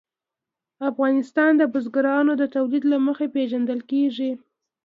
افغانستان د بزګانو د تولید له مخې پېژندل کېږي.